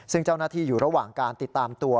ซึ่งเจ้าหน้าที่อยู่ระหว่างการติดตามตัว